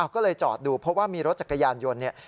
ก็เลยจอดดูเพราะว่ามีรถจักรยานยนต์เนี่ย